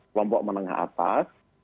kelompok menengah atas